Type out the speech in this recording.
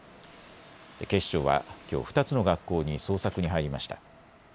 警視庁はきょう２つの学校に捜索に入りました。